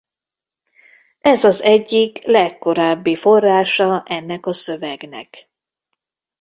Ez az egyik legkorábbi forrása ennek a szövegnek.